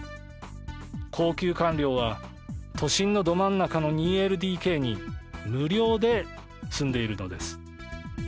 高級官僚は都心のど真ん中の２ＬＤＫに無料で住んでいるのです。